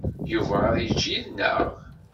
Yuba ad yečč yid-neɣ?